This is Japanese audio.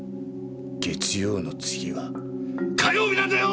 月曜の次は火曜日なんだよ！